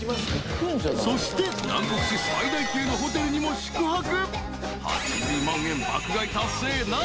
［そして南国市最大級のホテルにも宿泊］